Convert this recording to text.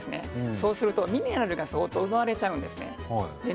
そうするとミネラルが相当出てしまうんですよね。